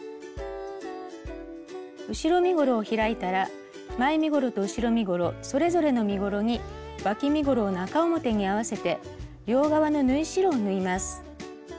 後ろ身ごろを開いたら前身ごろと後ろ身ごろそれぞれの身ごろにわき身ごろを中表に合わせて両側の縫い代を縫います。